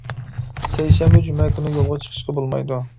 سەيشەنبە، جۈمە كۈنى يولغا چىقىشقا بولمايدۇ.